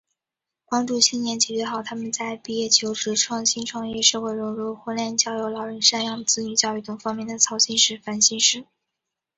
帮助青年解决好他们在毕业求职、创新创业、社会融入、婚恋交友、老人赡养、子女教育等方面的操心事、烦心事……